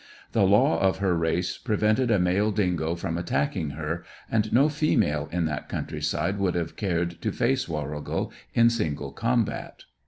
The law of her race prevented a male dingo from attacking her, and no female in that countryside would have cared to face Warrigal in single combat.